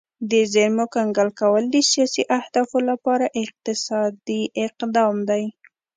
د زیرمو کنګل کول د سیاسي اهدافو لپاره اقتصادي اقدام دی